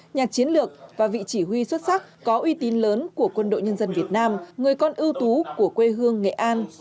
nhạc chiến lược và vị chỉ huy xuất sắc có uy tín lớn của quân đội nhân dân việt nam người con ưu tú của quê hương nghệ an